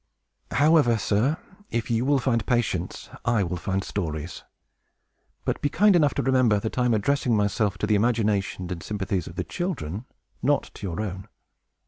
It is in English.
"However, sir, if you will find patience, I will find stories. But be kind enough to remember that I am addressing myself to the imagination and sympathies of the children, not to your own."